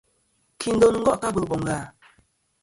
Kindo gò' kɨ abɨl bom ghà?